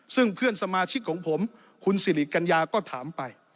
ซึ่งเพื่อนสมาชิกของผมคุณสิริกัญญาก็ถามไป